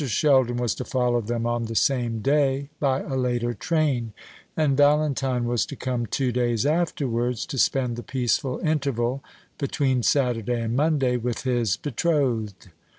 Sheldon was to follow them on the same day by a later train; and Valentine was to come two days afterwards to spend the peaceful interval between Saturday and Monday with his betrothed.